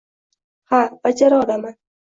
Ha, bajara olaman.